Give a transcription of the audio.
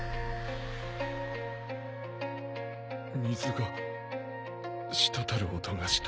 水が滴る音がした。